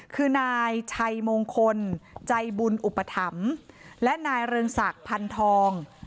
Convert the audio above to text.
คือนายชัยมงคลใจบุญอุปถัมภ์และนายเรืองศักดิ์พันธอง